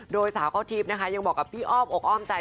โดยสาก้าวทริปนะคะยังบอกกับพี่ออฟออกอ้อมใจ